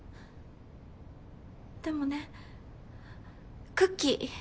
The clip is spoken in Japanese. でもねクッキー。